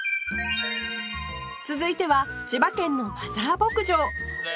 続いては千葉県のマザー牧場